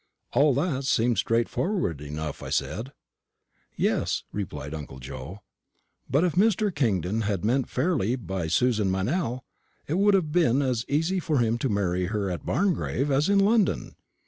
"All that seemed straightforward enough," said I. "Yes," replied uncle Joe; "but if Mr. Kingdon had meant fairly by Susan Meynell, it would have been as easy for him to marry her at Barngrave as in London.